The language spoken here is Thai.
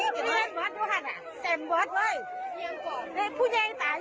อาจ่อนสงสัย